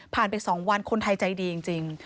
ไป๒วันคนไทยใจดีจริง